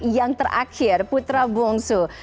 yang terakhir putra bungsu